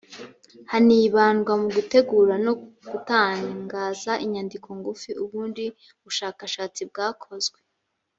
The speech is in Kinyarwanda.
hanibandwa mu gutegura no gutangaza inyandiko ngufi ubundi bushakashatsi bwakozwe